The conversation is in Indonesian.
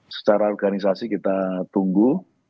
secara organisasi kita tunggu